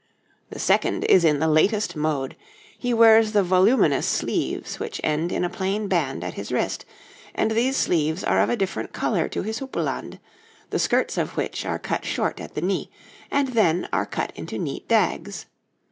The second is in the latest mode; he wears the voluminous sleeves which end in a plain band at his wrist, and these sleeves are of a different colour to his houppelande, the skirts of which are cut short at the knee, and then are cut into neat dags.